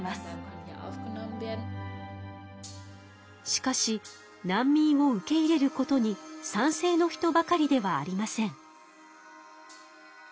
しかし難民を受け入れることに賛成の人ばかりではありません。